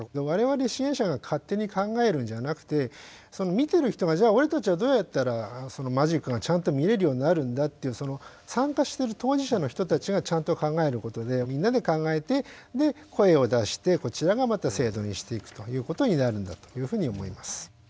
我々支援者が勝手に考えるんじゃなくてその見てる人がじゃあ俺たちはどうやったらそのマジックがちゃんと見れるようになるんだというその参加してる当事者の人たちがちゃんと考えることでみんなで考えて声を出してこちらがまた制度にしていくということになるんだというふうに思います。